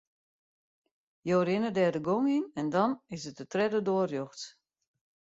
Jo rinne dêr de gong yn en dan is it de tredde doar rjochts.